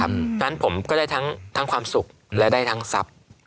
เพราะฉะนั้นผมก็ได้ทั้งความสุขและได้ทั้งทรัพย์